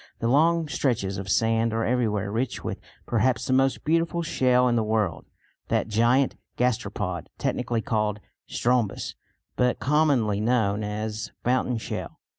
The long stretches of sand are everywhere rich with perhaps the most beautiful shell in the world, that giant gasteropod technically called Strombus but commonly known as fountain shell.